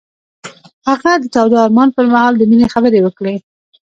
هغه د تاوده آرمان پر مهال د مینې خبرې وکړې.